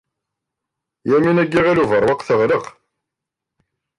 Yamina n Yiɣil Ubeṛwaq teɣleq.